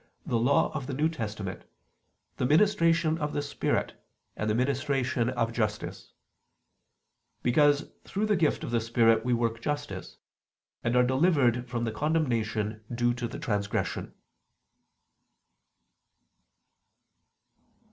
the Law of the New Testament, the ministration of the spirit and the ministration of justice: because through the gift of the Spirit we work justice, and are delivered from the condemnation due to transgression."